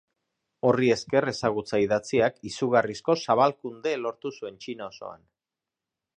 Horri esker ezagutza idatziak izugarrizko zabalkunde lortu zuen Txina osoan.